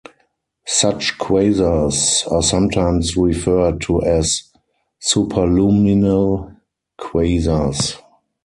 Such quasars are sometimes referred to as "superluminal quasars".